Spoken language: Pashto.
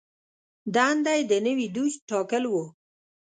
دنده یې د نوي دوج ټاکل و.